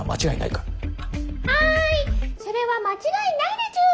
はいそれは間違いないでちゅ。